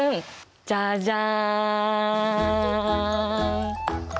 じゃじゃん。